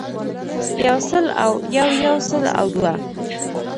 يو سل او يو يو سل او دوه